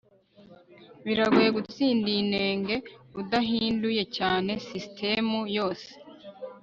Biragoye gutsinda iyi nenge udahinduye cyane sisitemu yose